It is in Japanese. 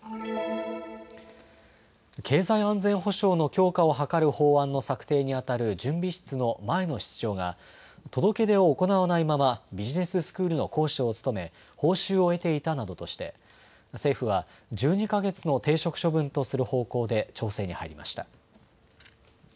経済安全保障の強化を図る法案の策定にあたる準備室の前の室長が届け出を行わないままビジネススクールの講師を務め報酬を得ていたなどとして政府は１２か月の停職処分とする方向で調整に入りました。